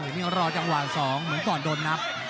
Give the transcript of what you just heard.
นี่รอจังหวะสองเหมือนก่อนโดนนับ